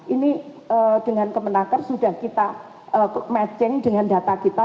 ini dengan kemenaker sudah kita matching dengan data kita